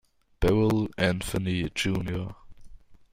Beryl Anthony, Jr.